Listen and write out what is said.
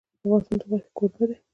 افغانستان د غوښې کوربه دی.